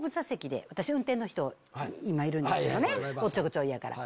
私運転の人今いるんですおっちょこちょいやから。